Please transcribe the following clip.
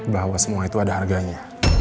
bahwa semua itu ada harganya